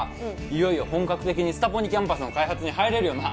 いよいよ本格的にスタポニキャンパスの開発に入れるよな